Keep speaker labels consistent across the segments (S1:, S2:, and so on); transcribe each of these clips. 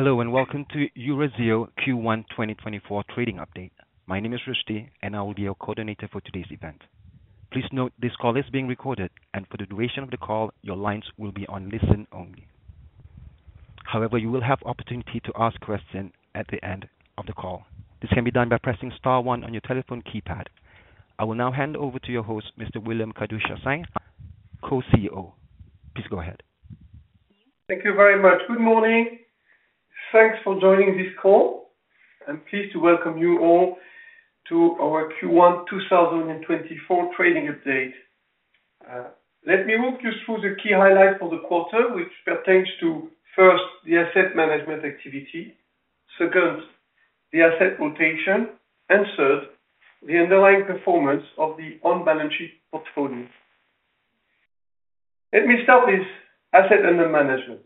S1: Hello, and welcome to Eurazeo Q1 2024 trading update. My name is Rushti, and I will be your coordinator for today's event. Please note, this call is being recorded, and for the duration of the call, your lines will be on listen only. However, you will have opportunity to ask questions at the end of the call. This can be done by pressing star one on your telephone keypad. I will now hand over to your host, Mr. William Kadouch-Chassaing, Co-CEO. Please go ahead.
S2: Thank you very much. Good morning. Thanks for joining this call. I'm pleased to welcome you all to our Q1 2024 trading update. Let me walk you through the key highlights for the quarter, which pertains to, first, the asset management activity, second, the asset rotation, and third, the underlying performance of the on-balance sheet portfolio. Let me start with asset under management.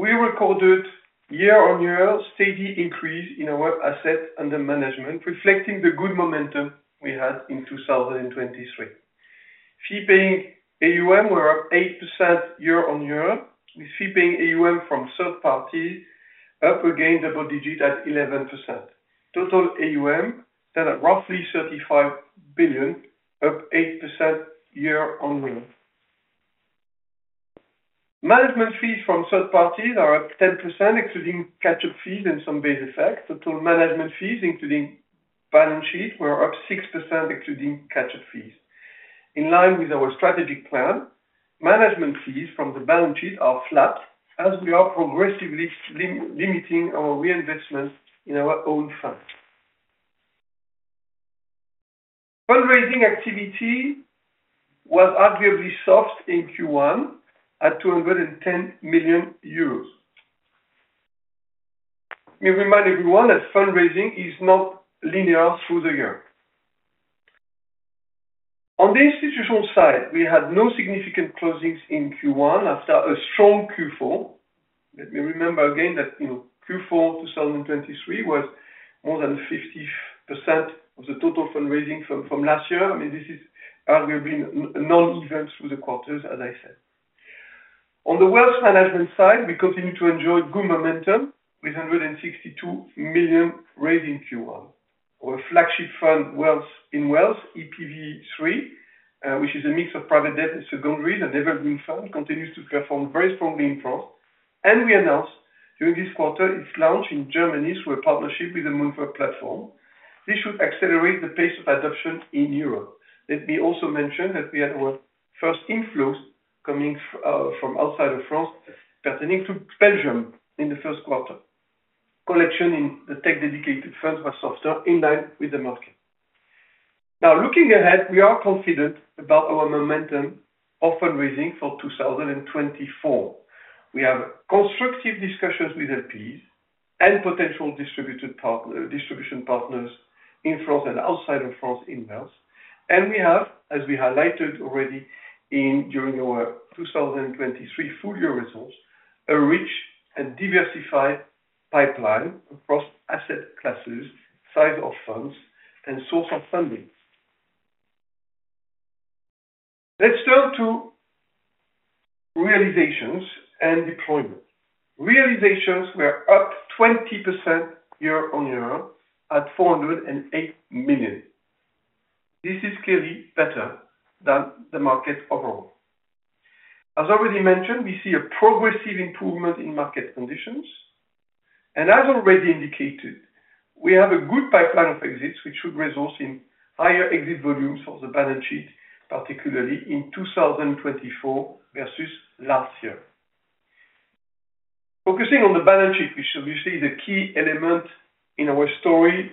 S2: We recorded year-on-year steady increase in our asset under management, reflecting the good momentum we had in 2023. Fee-paying AUM were up 8% year-on-year, with fee-paying AUM from third party up again double digits at 11%. Total AUM stand at roughly 35 billion, up 8% year-on-year. Management fees from third parties are up 10%, excluding catch-up fees and some base effects. Total management fees, including balance sheet, were up 6%, excluding catch-up fees. In line with our strategic plan, management fees from the balance sheet are flat, as we are progressively limiting our reinvestment in our own funds. Fundraising activity was arguably soft in Q1, at 210 million euros. We remind everyone that fundraising is not linear through the year. On the institutional side, we had no significant closings in Q1 after a strong Q4. Let me remember again that, you know, Q4 2023 was more than 50% of the total fundraising from, from last year. I mean, this is arguably non-event through the quarters, as I said. On the wealth management side, we continue to enjoy good momentum with 162 million raised in Q1, our flagship fund in wealth, EPV 3, which is a mix of private debt and secondaries, an evergreen fund, continues to perform very strongly in France. We announced during this quarter its launch in Germany through a partnership with the Moonfare platform. This should accelerate the pace of adoption in Europe. Let me also mention that we had our first inflows coming from outside of France from Belgium in the first quarter. Collections in the tech-dedicated funds were softer, in line with the market. Now, looking ahead, we are confident about our momentum of fundraising for 2024. We have constructive discussions with LPs and potential distribution partners in France and outside of France in wealth. We have, as we highlighted already in, during our 2023 full year results, a rich and diversified pipeline across asset classes, size of funds and source of fundings. Let's turn to realizations and deployment. Realizations were up 20% year-on-year, at 408 million. This is clearly better than the market overall. As already mentioned, we see a progressive improvement in market conditions, and as already indicated, we have a good pipeline of exits, which should result in higher exit volumes for the balance sheet, particularly in 2024 versus last year. Focusing on the balance sheet, which obviously is a key element in our story,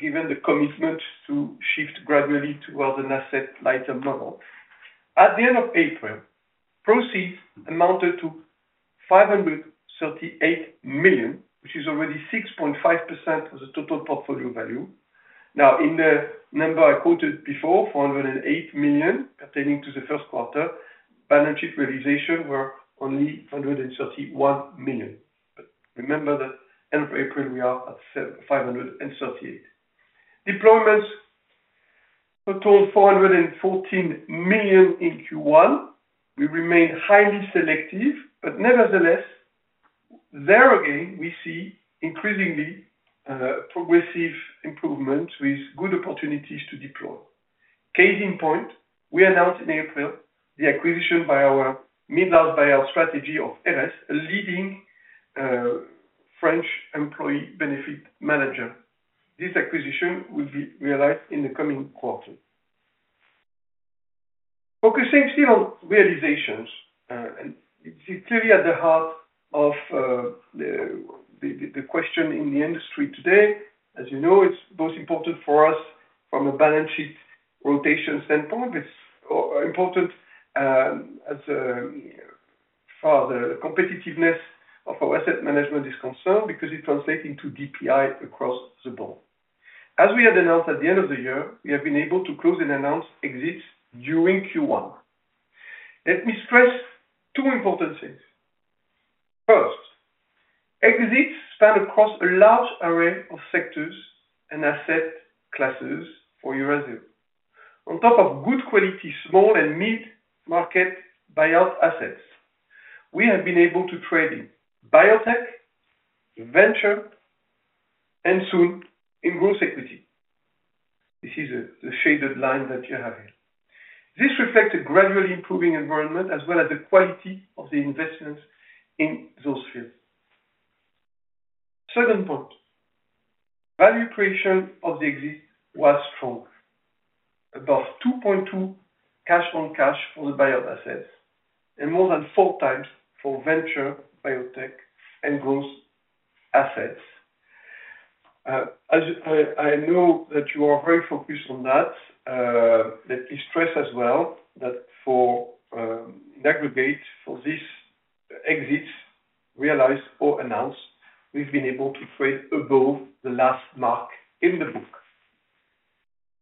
S2: given the commitment to shift gradually toward an asset-light model. At the end of April, proceeds amounted to 538 million, which is already 6.5% of the total portfolio value. Now, in the number I quoted before, 408 million, pertaining to the first quarter, balance sheet realizations were only 131 million. But remember that end of April, we are at 538 million. Deployments totaled 414 million in Q1. We remain highly selective, but nevertheless, there again, we see increasingly progressive improvement with good opportunities to deploy. Case in point, we announced in April the acquisition by our mid-market buyout strategy of Eres, a leading French employee benefit manager. This acquisition will be realized in the coming quarter. Focusing still on realizations, and it's clearly at the heart of the question in the industry today. As you know, it's most important for us from a balance sheet rotation standpoint. It's important, as for the competitiveness of our asset management is concerned, because it translates into DPI across the board. As we had announced at the end of the year, we have been able to close and announce exits during Q1. Let me stress two important things. First, exits span across a large array of sectors and asset classes for Eurazeo. On top of good quality, small and mid-market buyout assets, we have been able to trade in biotech, venture, and soon in growth equity. This is the shaded line that you have here. This reflects a gradually improving environment, as well as the quality of the investments in those fields. Second point, value creation of the exit was strong. Above 2.2 cash-on-cash for the buyout assets, and more than 4x for venture, biotech, and growth assets. As I know that you are very focused on that, let me stress as well, that for in aggregate, for these exits realized or announced, we've been able to trade above the last mark in the book.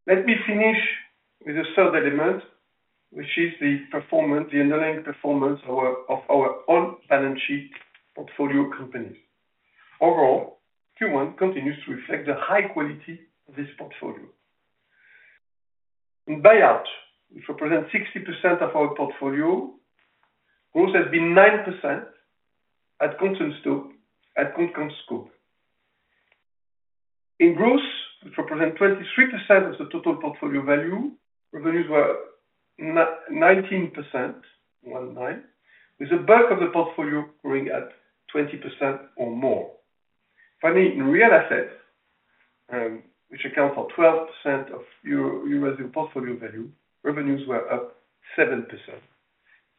S2: Let me finish with the third element, which is the performance, the underlying performance of our own balance sheet portfolio companies. Overall, Q1 continues to reflect the high quality of this portfolio. In buyout, which represent 60% of our portfolio, growth has been 9% at constant scope. In growth, which represent 23% of the total portfolio value, revenues were nineteen percent, 19%, with the bulk of the portfolio growing at 20% or more. Finally, in real assets, which account for 12% of Eurazeo portfolio value, revenues were up 7%,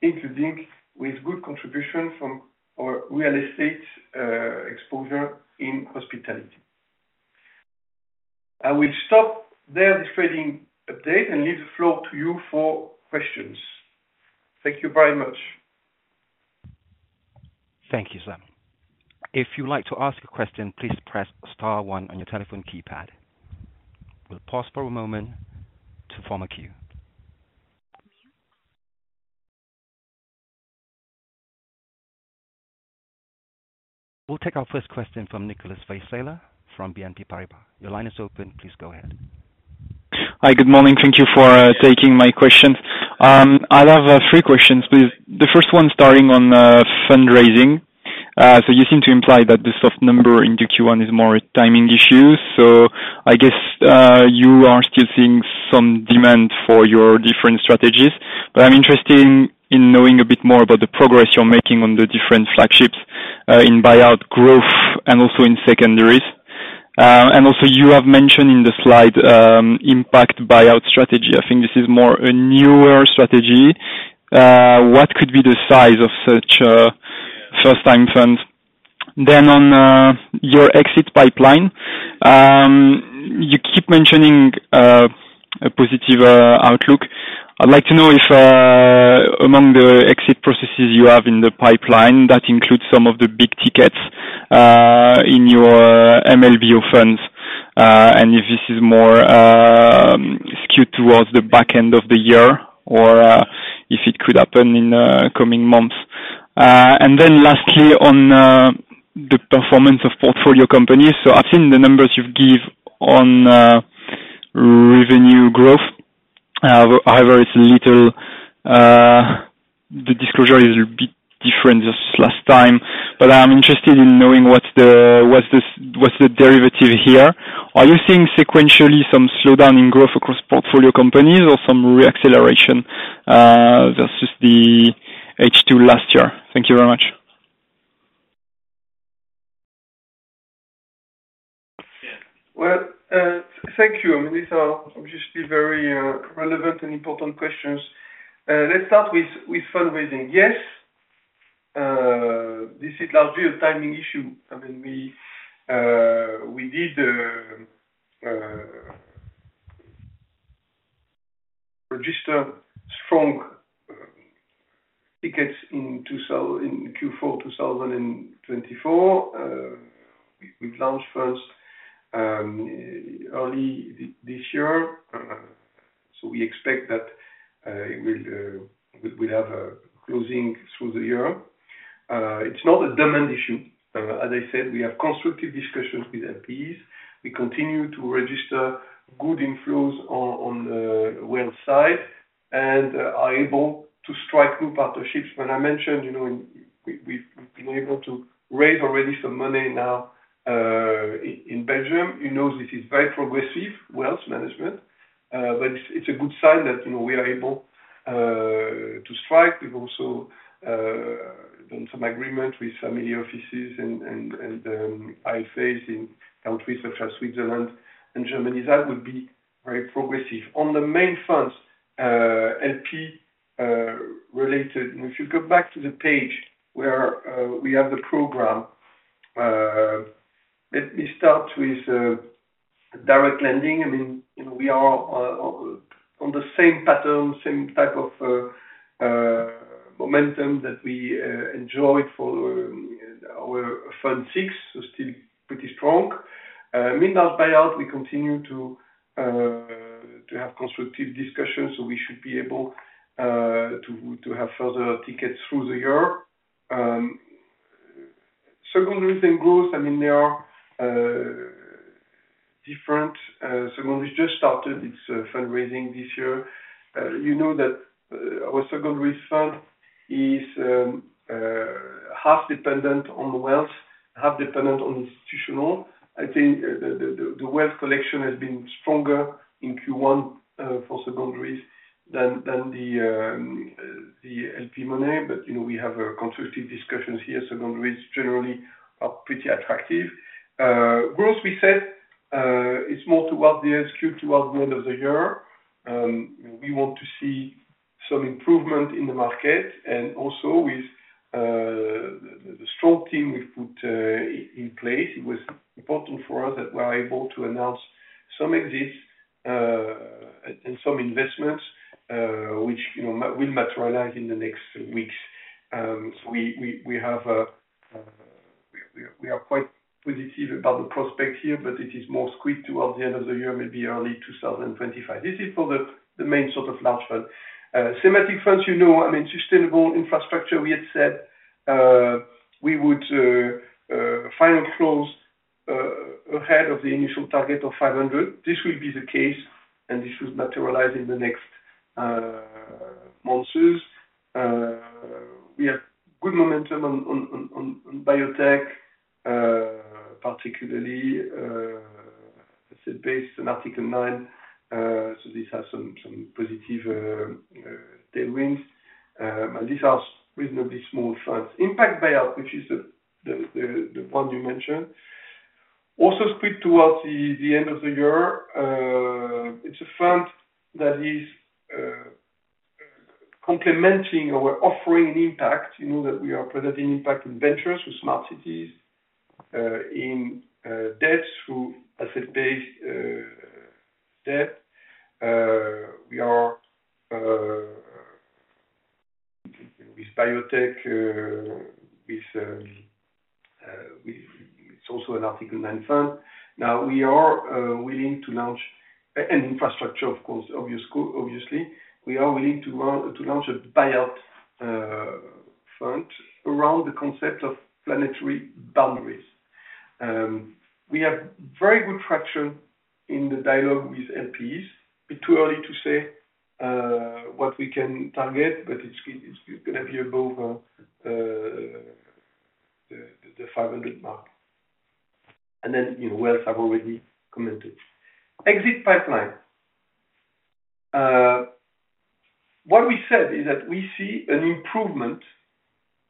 S2: including with good contribution from our real estate, exposure in hospitality. I will stop there the trading update and leave the floor to you for questions. Thank you very much.
S1: Thank you, sir. If you'd like to ask a question, please press star one on your telephone keypad. We'll pause for a moment to form a queue. We'll take our first question from Nicholas Herman from BNP Paribas. Your line is open, please go ahead.
S3: Hi, good morning. Thank you for taking my questions. I have three questions, please. The first one starting on fundraising. So you seem to imply that the soft number in the Q1 is more a timing issue, so I guess you are still seeing some demand for your different strategies. But I'm interested in knowing a bit more about the progress you're making on the different flagships in buyout growth and also in secondaries. And also you have mentioned in the slide Impact Buyout strategy. I think this is more a newer strategy. What could be the size of such first-time funds? Then on your exit pipeline, you keep mentioning a positive outlook. I'd like to know if, among the exit processes you have in the pipeline, that includes some of the big tickets, in your MLBO funds, and if this is more, skewed towards the back end of the year, or, if it could happen in, coming months. And then lastly, on, the performance of portfolio companies. So I've seen the numbers you've give on, revenue growth. However, it's a little, the disclosure is a bit different this last time, but I'm interested in knowing what's the derivative here? Are you seeing sequentially some slowdown in growth across portfolio companies or some re-acceleration, versus the H2 last year? Thank you very much.
S2: Well, thank you. I mean, these are obviously very relevant and important questions. Let's start with fundraising. Yes, this is largely a timing issue. I mean, we did register strong tickets in Q4 2024. We've launched first early this year. So we expect that we'll have a closing through the year. It's not a demand issue. As I said, we have constructive discussions with LPs. We continue to register good inflows on the wealth side, and are able to strike new partnerships. When I mentioned, you know, we've, we've been able to raise already some money now, in Belgium, you know, this is very progressive wealth management, but it's, it's a good sign that, you know, we are able to strike. We've also done some agreement with family offices and IFAs in countries such as Switzerland and Germany. That would be very progressive. On the main funds, LP related, and if you go back to the page where we have the program, let me start with direct lending. I mean, you know, we are on the same pattern, same type of momentum that we enjoyed for our fund six, so still pretty strong. Mid-large buyout, we continue to have constructive discussions, so we should be able to have further tickets through the year. Secondaries, growth, I mean, there are different secondaries just started its fundraising this year. You know that our secondary fund is half dependent on wealth, half dependent on institutional. I think the wealth collection has been stronger in Q1 for secondaries than the LP money. But you know, we have constructive discussions here. Secondaries generally are pretty attractive. Growth, we said, is more towards the end, skewed towards the end of the year. We want to see some improvement in the market and also with the strong team we put in place. It was important for us that we're able to announce some exits and some investments, which, you know, will materialize in the next weeks. So we are quite positive about the prospects here, but it is more skewed towards the end of the year, maybe early 2025. This is for the main sort of large fund. Smaller funds, you know, I mean, Sustainable Infrastructure, we had said we would final close ahead of the initial target of 500. This will be the case, and this should materialize in the next months. We have good momentum on biotech, particularly, let's say, based on Article Nine. So this has some positive tailwinds. And these are reasonably small funds. Impact buyout, which is the one you mentioned, also skewed towards the end of the year. It's a fund that is complementing our offering in impact. You know, that we are present in impact in ventures, with Smart Cities, in debts through asset-based debt. We are with biotech with Kurma. It's also an Article Nine fund. Now, we are willing to launch an infrastructure, of course, obviously. We are willing to launch a buyout fund around the concept of planetary boundaries. We have very good traction in the dialogue with LPs. But it's too early to say what we can target, but it's gonna be above the 500 million mark. And then, you know, wealth, I've already commented. Exit pipeline. What we said is that we see an improvement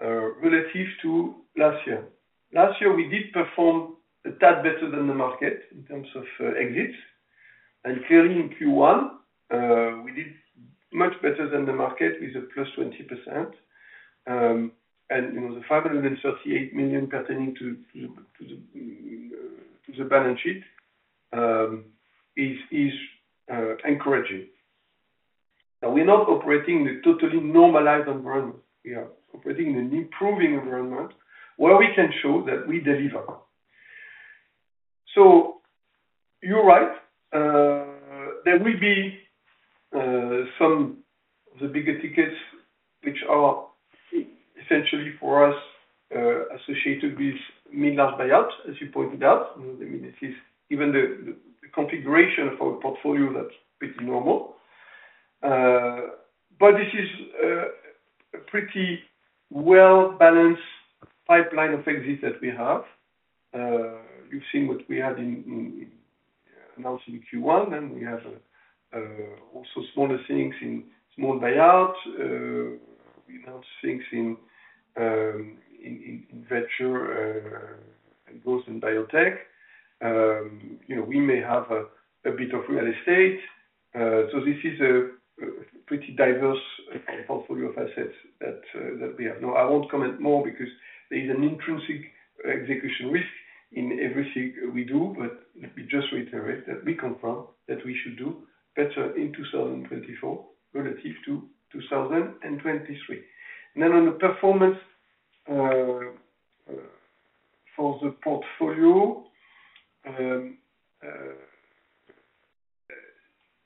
S2: relative to last year. Last year, we did perform a tad better than the market in terms of exits. Clearly, in Q1, we did much better than the market with a +20%. And you know, the 538 million pertaining to the balance sheet is encouraging. Now, we're not operating in a totally normalized environment. We are operating in an improving environment where we can show that we deliver. So you're right. There will be some of the bigger tickets which are essentially for us associated with M-large buyout, as you pointed out. I mean, this is even the configuration of our portfolio. That's pretty normal. But this is a pretty well-balanced pipeline of exits that we have. You've seen what we had announced in Q1, and we have also smaller things in small buyout. We announced things in venture both in biotech. You know, we may have a bit of real estate. So this is a pretty diverse portfolio of assets that we have. Now, I won't comment more because there is an intrinsic execution risk in everything we do, but let me just reiterate that we confirm that we should do better in 2024 relative to 2023. And then on the performance for the portfolio,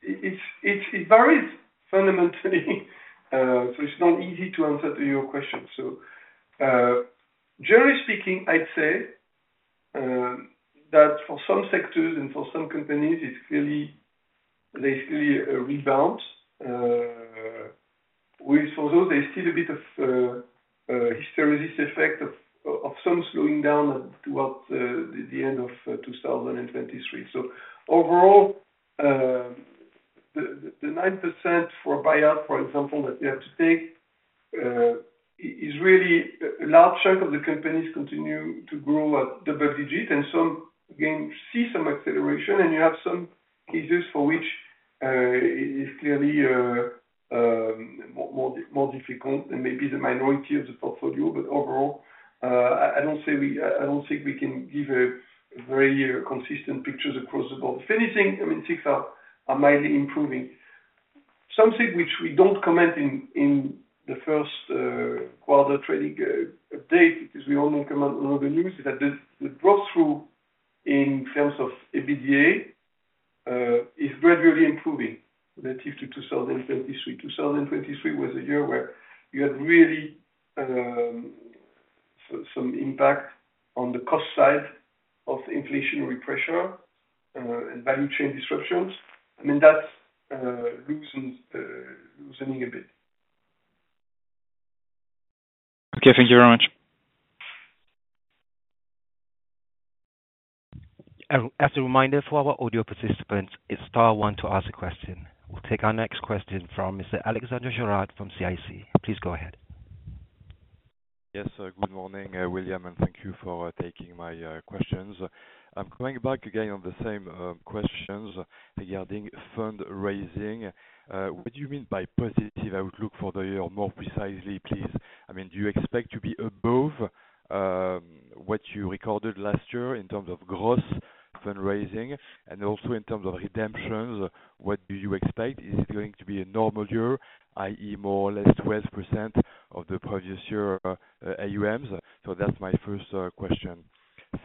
S2: it varies fundamentally. So it's not easy to answer to your question. So, generally speaking, I'd say that for some sectors and for some companies, it's clearly a rebound. There's clearly a rebound. We saw, though, there's still a bit of hysteresis effect of some slowing down towards the end of 2023. So overall, the 9% for buyout, for example, that we have to take is really a large chunk of the companies continue to grow at double digits. And some, again, see some acceleration, and you have some cases for which it is clearly more difficult and maybe the minority of the portfolio. But overall, I don't think we can give a very consistent picture across the board. If anything, I mean, things are mildly improving. Something which we don't comment in in the first quarter trading update, because we only comment on the news, is that the breakthrough in terms of EBITDA is gradually improving relative to 2023. 2023 was a year where you had really some impact on the cost side of the inflationary pressure and value chain disruptions. I mean, that loosening a bit.
S1: Okay, thank you very much. As a reminder for our audio participants, it's star one to ask a question. We'll take our next question from Mr. Alexandre Gérard from CIC. Please go ahead.
S4: Yes, good morning, William, and thank you for taking my questions. I'm coming back again on the same questions regarding fundraising. What do you mean by positive outlook for the year, or more precisely, please? I mean, do you expect to be above what you recorded last year in terms of gross fundraising, and also in terms of redemptions, what do you expect? Is it going to be a normal year, i.e., more or less 12% of the previous year AUMs? So that's my first question.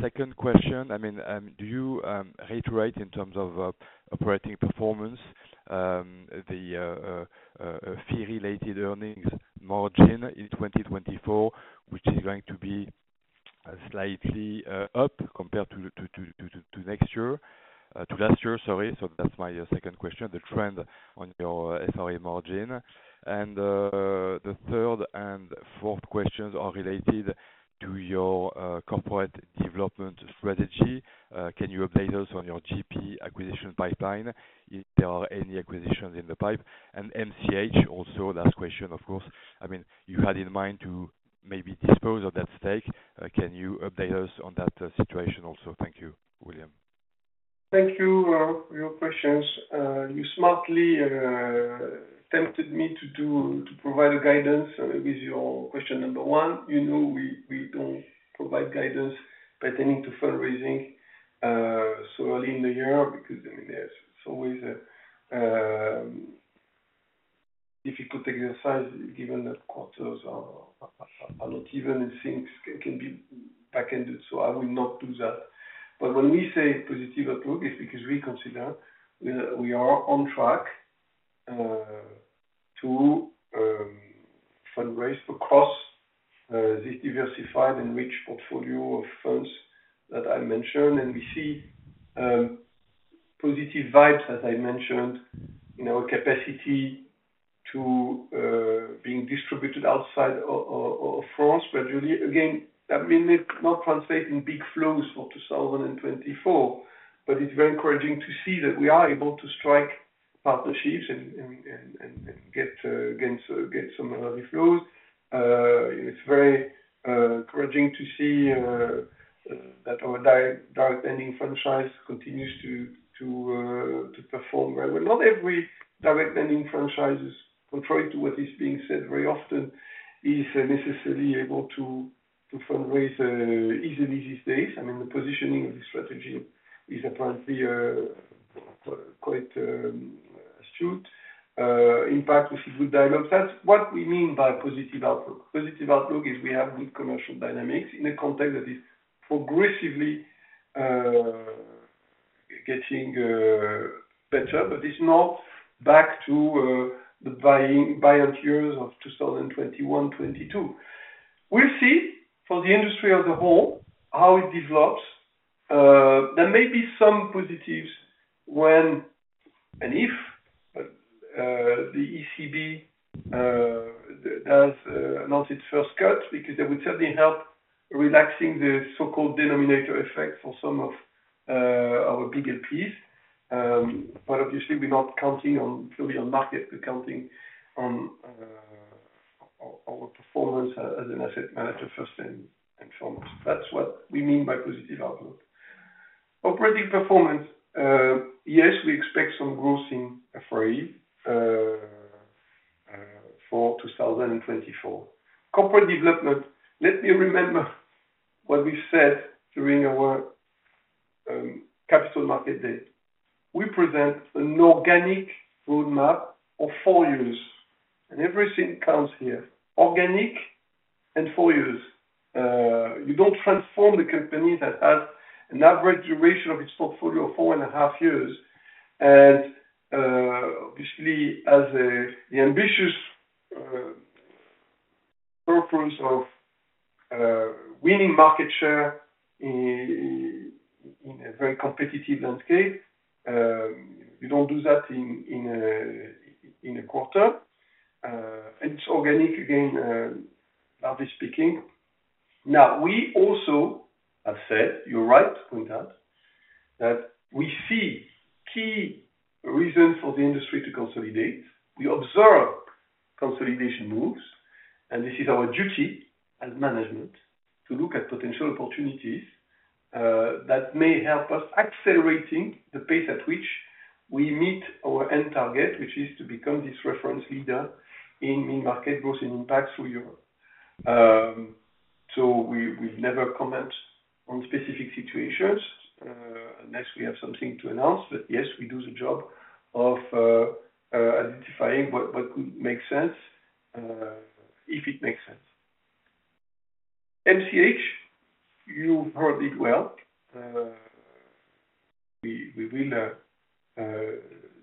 S4: Second question, I mean, do you reiterate, in terms of operating performance, the fee-related earnings margin in 2024, which is going to be slightly up compared to next year to last year? Sorry. So that's my second question, the trend on your FRE margin. And, the third and fourth questions are related to your, corporate development strategy. Can you update us on your GP acquisition pipeline, if there are any acquisitions in the pipe? And MCH also, last question, of course. I mean, you had in mind to maybe dispose of that stake. Can you update us on that, situation also? Thank you, William.
S2: Thank you, for your questions. You smartly, tempted me to do... to provide a guidance with your question number one. You know, we, we don't provide guidance pertaining to fundraising, so early in the year, because, I mean, there's always a, if you could exercise, given that quarters are, are, are not even, and things can, can be backended. So I will not do that. But when we say positive outlook, it's because we consider we are, we are on track, to, fundraise across, this diversified and rich portfolio of funds that I mentioned. And we see, positive vibes, as I mentioned, in our capacity to, being distributed outside of France. But really, again, that may not translate in big flows for 2024, but it's very encouraging to see that we are able to strike partnerships and get some healthy flows. It's very encouraging to see that our direct lending franchise continues to perform well. But not every direct lending franchise is contrary to what is being said very often, is necessarily able to fundraise easily these days. I mean, the positioning of the strategy is apparently quite astute. Impact, which is good dialogue. That's what we mean by positive outlook. Positive outlook is we have good commercial dynamics in a context that is progressively getting better, but it's not back to the buying, buoyant years of 2021, 2022. We'll see for the industry as a whole, how it develops. There may be some positives when, and if, the ECB does announce its first cut, because that would certainly help relaxing the so-called denominator effect for some of our bigger LPs. But obviously we're not counting on a fluid market, we're counting on our performance as an asset manager first and foremost. That's what we mean by positive outlook. Operating performance. Yes, we expect some growth in FRE for 2024. Corporate development. Let me remind what we said during our capital markets day. We present an organic roadmap of four years, and everything counts here, organic and four years. You don't transform the company that has an average duration of its portfolio of four and a half years. Obviously, as the ambitious purpose of winning market share in a very competitive landscape, you don't do that in a quarter. It's organic, again, largely speaking. Now, we also have said, you're right on that, that we see key reasons for the industry to consolidate. We observe consolidation moves, and this is our duty as management to look at potential opportunities that may help us accelerating the pace at which we meet our end target, which is to become this reference leader in market growth and impact through Europe. So we, we've never comment on specific situations unless we have something to announce. But yes, we do the job of identifying what could make sense, if it makes sense. MCH, you heard it well. We will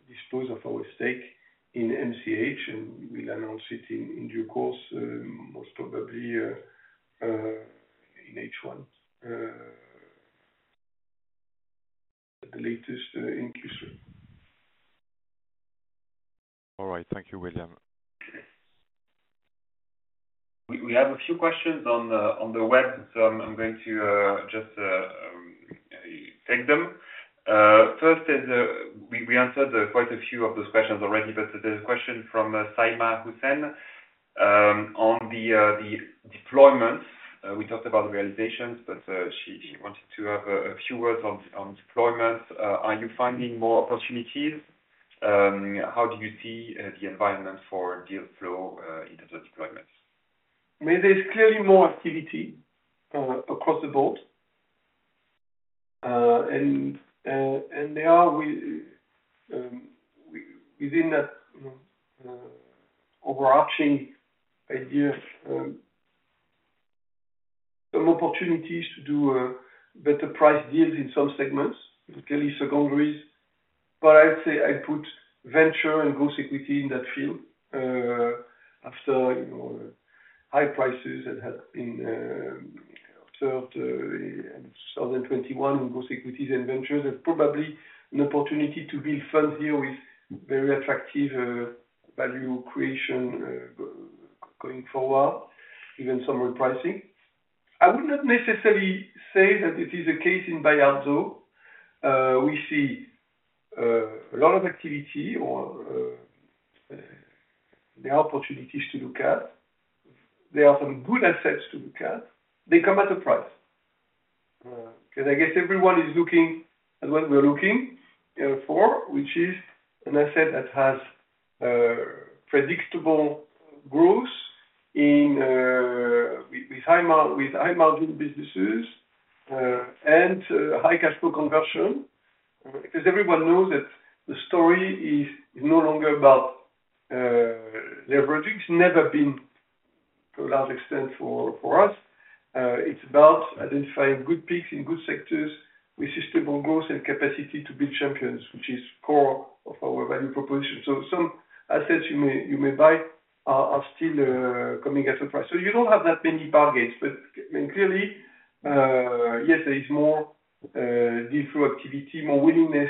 S2: dispose of our stake in MCH, and we'll announce it in due course, most probably in H1. The latest in Q3.
S4: All right. Thank you, William.
S5: We have a few questions on the web, so I'm going to just take them. First is, we answered quite a few of those questions already, but there's a question from Saima Hussain on the deployments. We talked about the realizations, but she wanted to have a few words on deployments. Are you finding more opportunities? How do you see the environment for deal flow into the deployments?
S2: I mean, there's clearly more activity across the board. And there are within that overarching idea of some opportunities to do better price deals in some segments, particularly secondaries. But I'd say I put venture and growth equity in that field, after, you know, high prices that have been observed in southern 2021, where growth equities and ventures are probably an opportunity to build funds view with very attractive value creation going forward, even some repricing. I would not necessarily say that it is a case in Bayard, though. We see a lot of activity or there are opportunities to look at. There are some good assets to look at. They come at a price, because I guess everyone is looking at what we're looking for, which is an asset that has predictable growth in with high-margin businesses, and high cash flow conversion. Because everyone knows that the story is no longer about leveragings. It's never been to a large extent for us. It's about identifying good peaks in good sectors with sustainable growth and capacity to build champions, which is core of our value proposition. So some assets you may buy are still coming at a price. So you don't have that many bargains. But, I mean, clearly, yes, there is more deal flow activity, more willingness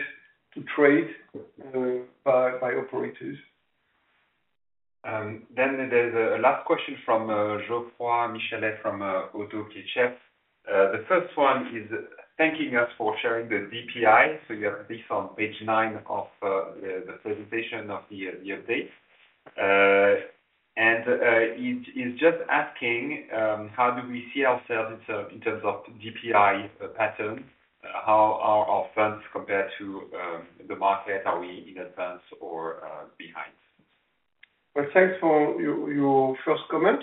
S2: to trade by operators.
S5: Then there's a last question from Jean-Paul Michel from ODDO BHF. The first one is thanking us for sharing the DPI. So you have this on page nine of the presentation of the update. And he's just asking how do we see ourselves in term, in terms of DPI pattern? How are our funds compared to the market? Are we in advance or behind?
S2: Well, thanks for your first comment.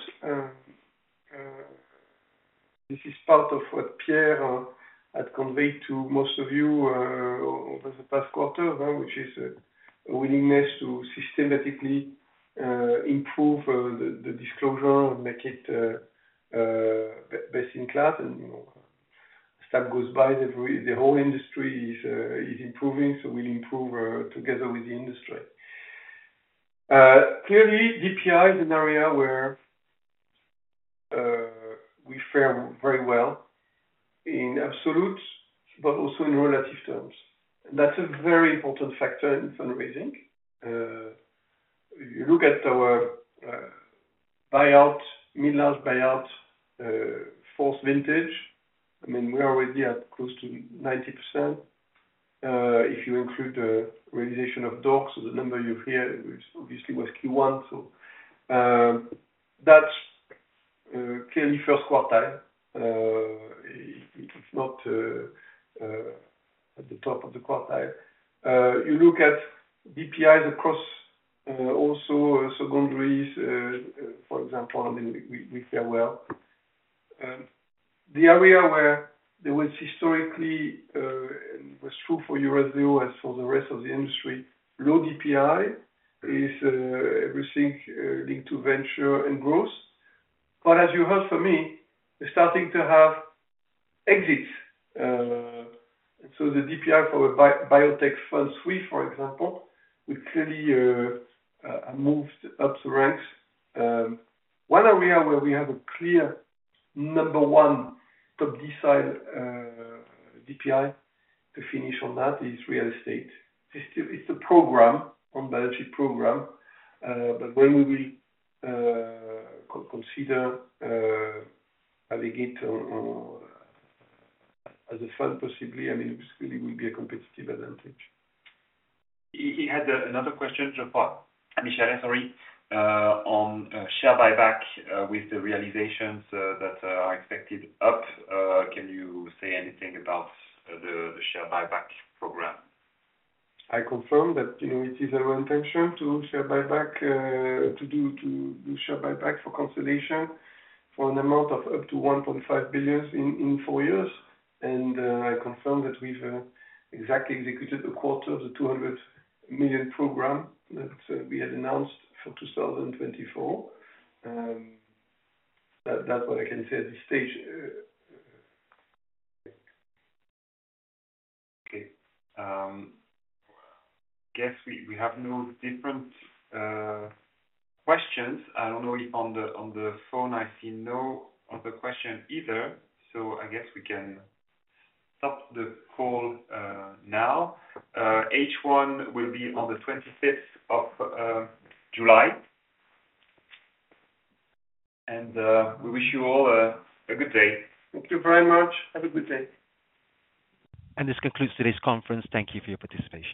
S2: This is part of what Pierre had conveyed to most of you over the past quarter, which is a willingness to systematically improve the disclosure and make it best in class. You know, as time goes by, the whole industry is improving, so we improve together with the industry. Clearly, DPI is an area where we fare very well in absolute, but also in relative terms. That's a very important factor in fundraising. You look at our buyout, mid-large buyout, fourth vintage, I mean, we're already at close to 90%. If you include the realization of D.O.R.C., the number you hear, which obviously was Q1, so that's clearly first quartile. It's not at the top of the quartile. You look at DPIs across also secondaries, for example, I mean, we fare well. The area where there was historically was true for Eurazeo as for the rest of the industry, low DPI is everything linked to venture and growth. But as you heard from me, we're starting to have exits. And so the DPI for biotech funds three, for example, we clearly moved up the ranks. One area where we have a clear number one top decile DPI, to finish on that, is real estate. It's still a program, on biology sheet program, but when we will consider allocate as a fund, possibly, I mean, it really will be a competitive advantage.
S5: He had another question, Jean-Paul Michel, sorry, on share buyback with the realizations that are expected up. Can you say anything about the share buyback program?
S2: I confirm that, you know, it is our intention to share buyback, to do, to do share buyback for consolidation for an amount of up to 1.5 billion in four years. I confirm that we've exactly executed a quarter of the 200 million program that we had announced for 2024. That's what I can say at this stage.
S5: Okay. Guess we have no different questions. I don't know, on the phone, I see no other question either, so I guess we can stop the call now. H1 will be on the 25th of July. And we wish you all a good day.
S2: Thank you very much. Have a good day.
S1: This concludes today's conference. Thank you for your participation.